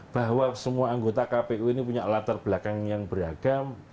bahwa semua anggota kpu ini punya latar belakang yang beragam